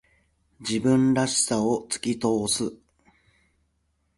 自分らしさを突き通す。